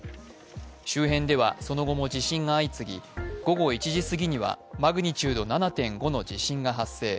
周辺では、その後も地震が相次ぎ午後１時すぎにはマグニチュード７．５の地震が発生。